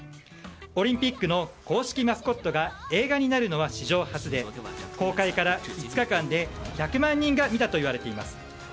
オリンピックの公式マスコットが映画になるのは史上初で公開から２日間で１００万人が見たといわれています。